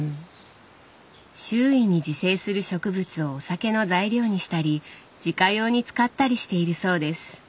周囲に自生する植物をお酒の材料にしたり自家用に使ったりしているそうです。